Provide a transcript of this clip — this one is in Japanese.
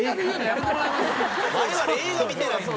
我々映画見てないんで。